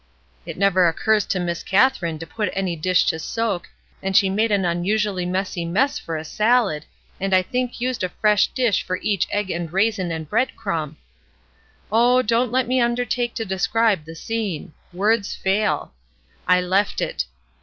(It never occurs to Miss Katherine to put any dish to soak, and she made an unusu ally messy mess for a salad, and I think used a fresh dish for each egg and raisin and bread crumb !) Oh, don't let me undertake to describe the scene ! words fail ! I left it.